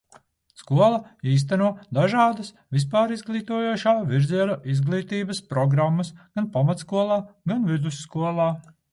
Skola īsteno dažādas vispārizglītojošā virziena izglītības programmas gan pamatskolā, gan vidusskolā.